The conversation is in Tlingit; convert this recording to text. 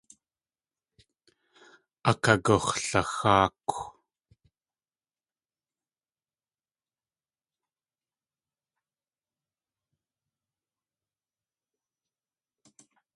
Akagux̲laxáakw.